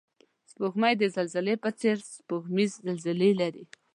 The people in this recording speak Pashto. سپوږمۍ د زلزلې په څېر سپوږمیزې زلزلې لري